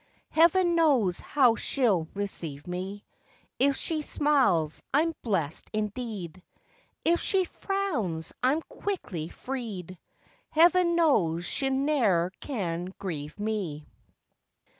Heaven knows how she'll receive me: If she smiles I'm blest indeed; If she frowns I'm quickly freed; Heaven knows she ne'er can grieve me.